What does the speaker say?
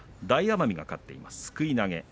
大奄美が勝っています。